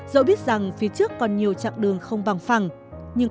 dẫu biết rằng phía trước còn nhiều chặng đường không bằng phẳng nhưng